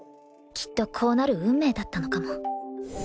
きっとこうなる運命だったのかも